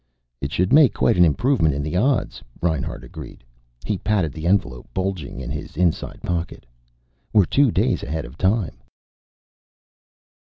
"It should make quite an improvement in the odds," Reinhart agreed. He patted the envelope, bulging in his inside pocket. "We're two days ahead of time."